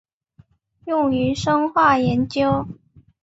用于生化研究。